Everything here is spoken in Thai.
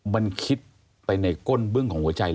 มันคิดไปในก้นบึ้งของหัวใจเลย